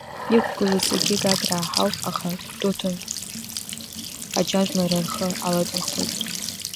Иқәгыло зегьы гаграа ҳауп, аха Гәдоуҭантә аџьажәлар рхы аладырхәуеит.